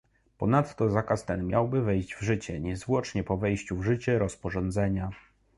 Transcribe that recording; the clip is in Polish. Ponadto zakaz ten miałby wejść w życie niezwłocznie po wejściu w życie rozporządzenia